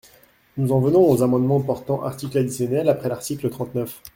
Nous en venons aux amendements portant articles additionnels après l’article trente-neuf.